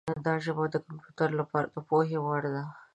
دا ژبه د کمپیوټر لپاره د پوهې وړ ده.